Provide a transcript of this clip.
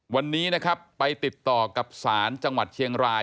วันนี้นะครับไปติดต่อกับศาลจังหวัดเชียงราย